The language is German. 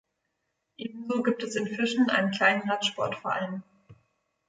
Ebenso gibt es in Fischen einen kleinen Radsportverein.